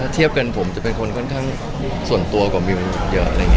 ถ้าเทียบกันผมจะเป็นคนค่อนข้างส่วนตัวกว่ามีลงที่เป็นเยอะ